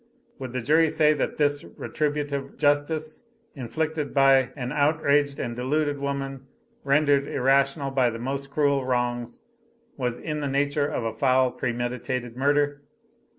Would the jury say that this retributive justice, inflicted by an outraged, and deluded woman, rendered irrational by the most cruel wrongs, was in the nature of a foul, premeditated murder?